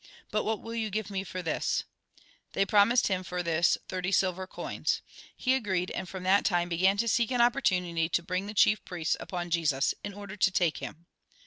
But what will you give me for this ?" They promised him for this thirty silver coins. He agreed ; and from that time began to seek an opportunity to bring the chief priests upon Jesus, in order to take him.